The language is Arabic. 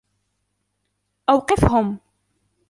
أوقفهم.